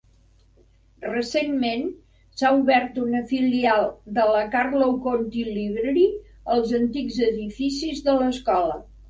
Recentment, s'ha obert una filial de la Carlow County Library als antics edificis de l'escola.